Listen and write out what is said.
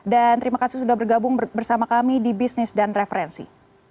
dan terima kasih sudah bergabung bersama kami di bisnis dan referensi